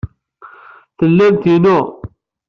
Tellamt inu.